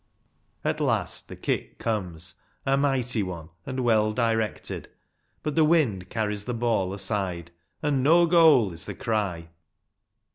At last the kick comes ‚ÄĒ a mighty one, and well directed ‚ÄĒ but the wind carries the ball aside, and "no goal " is the cry.